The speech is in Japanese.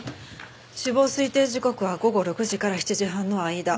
死亡推定時刻は午後６時から７時半の間。